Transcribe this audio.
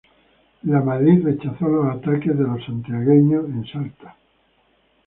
Lamadrid rechazo los ataques de los santiagueños en Salta.